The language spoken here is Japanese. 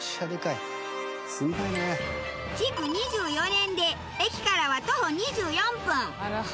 築２４年で駅からは徒歩２４分。